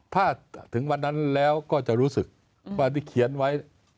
ถ้าถึงวันนั้นแล้วก็จะรู้สึกว่าที่เขียนไว้